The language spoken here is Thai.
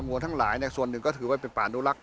วัวทั้งหลายส่วนหนึ่งก็ถือว่าเป็นป่านุลักษ